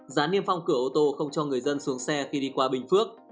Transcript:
giá niêm phong cửa ô tô không cho người dân xuống xe khi đi qua bình phước